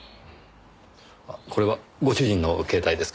これはご主人の携帯ですか？